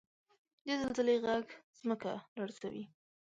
• د زلزلې ږغ ځمکه لړزوي.